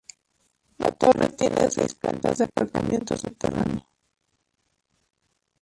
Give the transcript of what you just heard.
La torre tiene seis plantas de aparcamiento subterráneo.